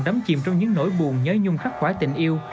đắm chìm trong những nỗi buồn nhớ nhung khắc khoái tình yêu